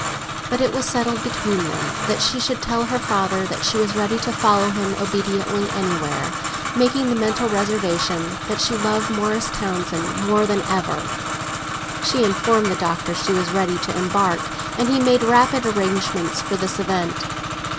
But it was settled between them that she should tell her father that she was ready to follow him obediently anywhere, making the mental reservation that she loved Morris Townsend more than ever. She informed the Doctor she was ready to embark, and he made rapid arrangements for this event.